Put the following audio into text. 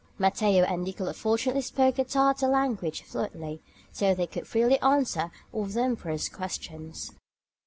Matteo and Nicolo fortunately spoke the Tartar language fluently, so they could freely answer all the emperor's questions.